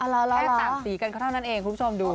แค่ต่างสีกันก็เท่านั้นเองคุณผู้ชมดู